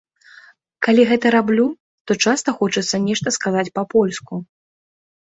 Калі гэта раблю, то часта хочацца нешта сказаць па-польску.